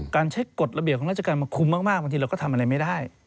การใช้กฎระเบียบของราชการมาคุมมากบางทีเราก็ทำอะไรไม่ได้